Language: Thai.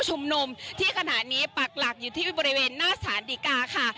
ชมนมที่ขณะปักหลักอยู่ที่ไปบริเวณหน้าสถานดิกาค่ะ